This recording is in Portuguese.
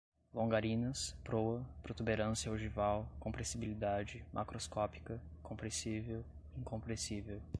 longarinas, proa, protuberância ogival, compressibilidade, macroscópica, compressível, incompressível